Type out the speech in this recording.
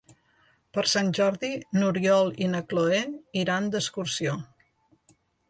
Per Sant Jordi n'Oriol i na Cloè iran d'excursió.